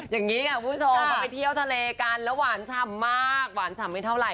อย่างนี้ค่ะคุณผู้ชมเขาไปเที่ยวทะเลกันแล้วหวานฉ่ำมากหวานฉ่ำไม่เท่าไห